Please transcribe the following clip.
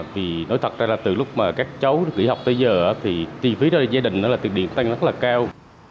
vì nói thật ra là từ lúc các cháu kỹ học tới giờ thì tiền phí gia đình tiền điện tăng rất là cao